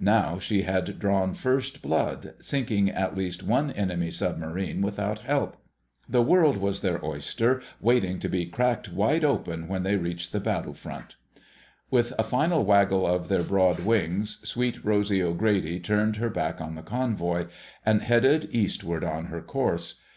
Now she had drawn first blood, sinking at least one enemy submarine without help. The world was their oyster, waiting to be cracked wide open when they reached the battlefront. With a final waggle of their broad wings, Sweet Rosy O'Grady turned her back on the convoy and headed eastward on her course.